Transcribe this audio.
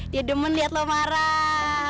dia demen liat lo marah